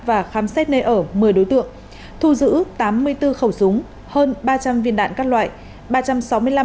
và khám xét nơi ở một mươi đối tượng thu giữ tám mươi bốn khẩu súng hơn ba trăm linh viên đạn các loại